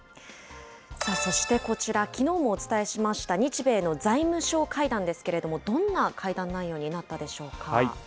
そしてこちら、きのうもお伝えしました、日米の財務相会談ですけれども、どんな会談内容になったでしょう